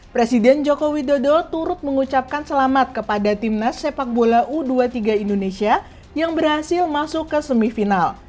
presiden joko widodo turut mengucapkan selamat kepada timnas sepak bola u dua puluh tiga indonesia yang berhasil masuk ke semifinal